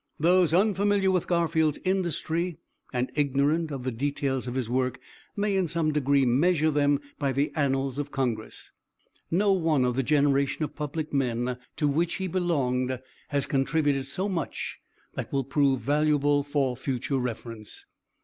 "Those unfamiliar with Garfield's industry, and ignorant of the details of his work may, in some degree, measure them by the annals of Congress. No one of the generation of public men to which he belonged has contributed so much that will prove valuable for future reference.